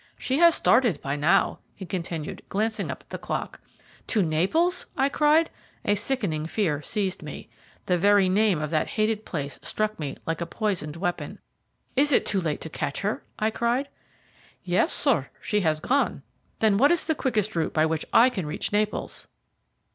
"She has started by now," he continued, glancing up at the clock. "To Naples?" I cried. A sickening fear seized me. The very name of the hated place struck me like a poisoned weapon. "Is it too late to catch her?" I cried. "Yes, sir, she has gone." "Then what is the quickest route by which I can reach Naples?"